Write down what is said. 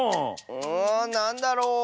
うんなんだろう？